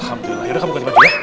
alhamdulillah yaudah kamu kembali ya